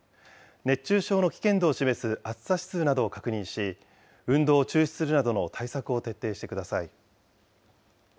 熱中症の危険度を示す暑さ指数などを確認し、運動を中止するなどの対策を徹底してください。